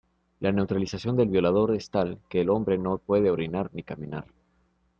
La neutralización del violador es tal, que el hombre no puede orinar ni caminar.